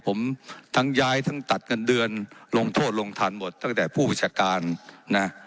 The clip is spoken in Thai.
ผมทั้งย้ายทั้งตัดเงินเดือนลงโทษลงทันหมดตั้งแต่ผู้บัญชาการนะ